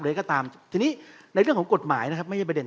อะไรก็ตามทีนี้ในเรื่องของกฎหมายนะครับไม่ใช่ประเด็น